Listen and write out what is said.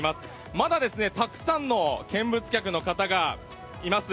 まだたくさんの見物客の方がいます。